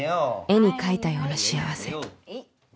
絵に描いたような幸せ